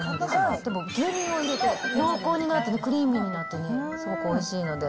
でも牛乳を入れて濃厚になって、クリーミーになってすごくおいしいので。